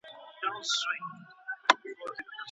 ولې افغان سوداګر کیمیاوي سره له ازبکستان څخه واردوي؟